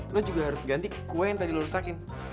lu juga harus ganti kue yang tadi lu rusakin